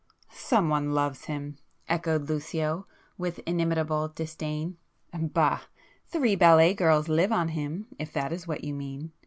"Some one loves him!" echoed Lucio with inimitable disdain—"Bah! Three ballet girls live on him if that is what you mean.